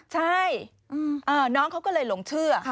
ใช่น้องเขาก็เลยหลงเชื่อ